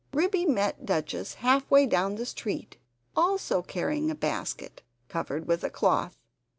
Ribby met Duchess half way down the street, also carrying a basket, covered with a cloth.